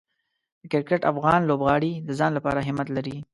د کرکټ افغان لوبغاړي د ځان لپاره همت لري.